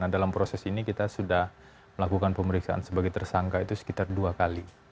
dalam proses ini kita sudah melakukan pemeriksaan sebagai tersangka itu sekitar dua kali